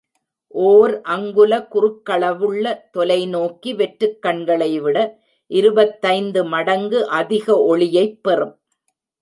ஓர் அங்குல குறுக்களவுள்ள தொலை நோக்கி வெற்றுக் கண்களைவிட இருபத்தைந்து மடங்கு அதிக ஒளியைப் பெறும்!